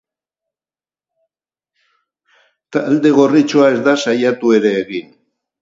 Talde gorritxoa ez da saiatu ere egin.